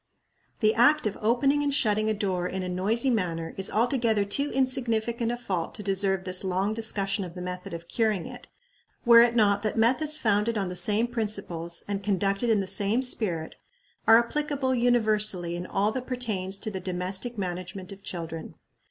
The act of opening and shutting a door in a noisy manner is altogether too insignificant a fault to deserve this long discussion of the method of curing it, were it not that methods founded on the same principles, and conducted in the same spirit, are applicable universally in all that pertains to the domestic management of children.